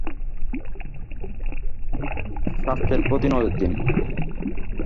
স্বাস্থে্যর প্রতি নজর দিন।